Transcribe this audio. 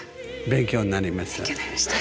勉強になりました。